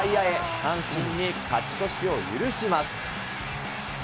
阪神に勝ち越しを許します。